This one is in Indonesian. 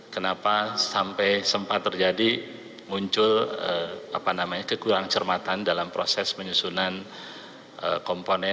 kenapa sampai sempat terjadi muncul kekurang cermatan dalam proses penyusunan komponen